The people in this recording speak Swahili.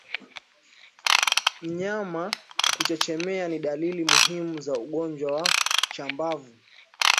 Mnyama kuchechemea ni dalili muhimu za ugonjwa wa chambavu